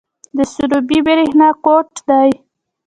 د سروبي بریښنا کوټ دی